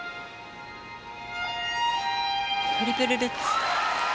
トリプルルッツ。